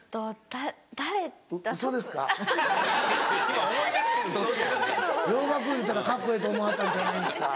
・今思い出してる途中・洋楽言うたらカッコええと思われたんじゃないですか？